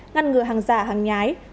ngăn ngừa hàng giả hàng nhái